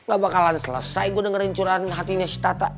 gak bakalan selesai gue dengerin curahan hatinya si tata